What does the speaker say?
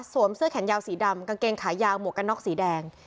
เสื้อแขนยาวสีดำกางเกงขายาวหมวกกันน็อกสีแดง